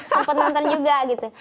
sampai nonton juga gitu